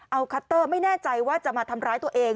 เอาคัตเตอร์ไม่แน่ใจว่าจะมาทำร้ายตัวเอง